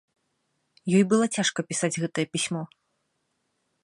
Ёй было цяжка пісаць гэтае пісьмо.